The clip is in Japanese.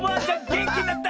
げんきになった！